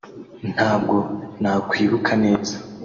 Ntabwo nakwibuka neza